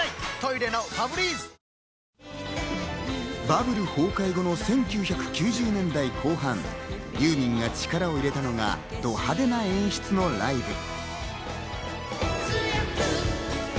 バブル崩壊後の１９９０年代後半、ユーミンが力を入れたのはド派手な演出のライブ。